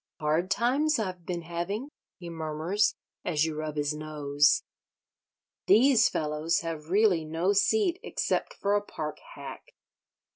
"Hard times I've been having," he murmurs, as you rub his nose. "These fellows have really no seat except for a park hack.